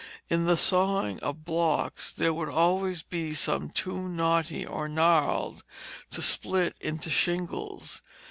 In the sawing of blocks there would always be some too knotty or gnarled to split into shingles.